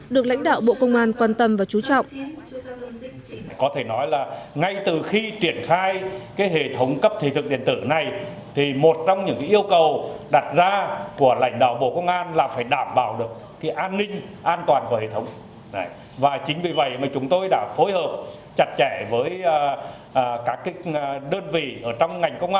được lãnh đạo bộ công an quan tâm và chú trọng